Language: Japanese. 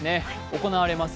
行われます